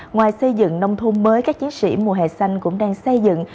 ngoài xây dựng nông thôn mới các chiến sĩ mùa hè xanh cũng đang xây dựng